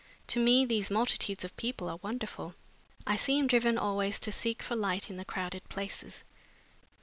"To me these multitudes of people are wonderful. I seem driven always to seek for light in the crowded places."